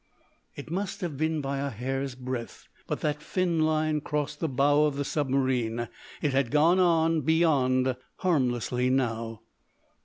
It must have been by a hair's breath, but that fin line crossed the bow of the submarine. It had gone on, beyond harmlessly, now!